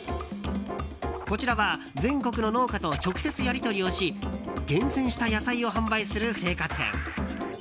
こちらは全国の農家と直接やり取りをし厳選した野菜を販売する青果店。